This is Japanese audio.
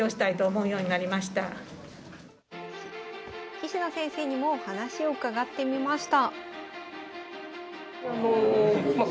棋士の先生にも話を伺ってみました。